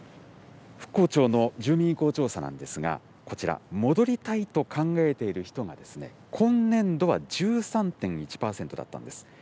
復興庁の住民意向調査なんですが、こちら、戻りたいと考えている人が、今年度は１３．１％だったんです。